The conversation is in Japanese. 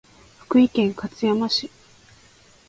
福井県勝山市